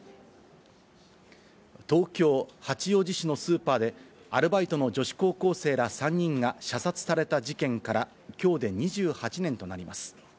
東京・八王子市のスーパーでアルバイトの女子高校生ら３人が射殺された事件からきょうで２８年となります。